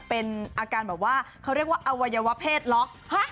เป็นอาการแบบว่าเขาเรียกว่าอวัยวะเพศล็อก